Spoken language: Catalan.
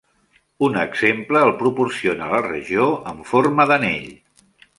Un exemple el proporciona la regió en forma d'anell.